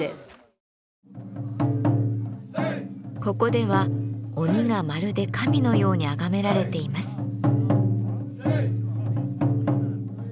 ここでは鬼がまるで神のように崇められています。